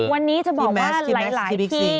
วันนี้จะบอกว่าหลายที่